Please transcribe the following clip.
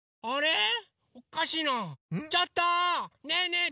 ちょっとねえねえ